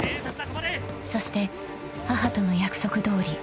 ［そして母との約束どおり］